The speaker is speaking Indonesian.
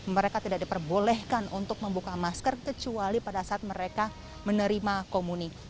mereka tidak diperbolehkan untuk membuka masker kecuali pada saat mereka menerima komunik